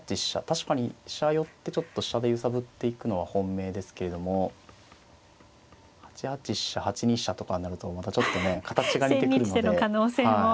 確かに飛車寄ってちょっと飛車で揺さぶっていくのは本命ですけれども８八飛車８二飛車とかなるとまたちょっとね形が似てくるので。